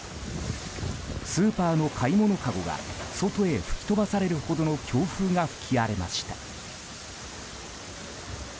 スーパーの買い物かごが外へ吹き飛ばされるほどの強風が吹き荒れました。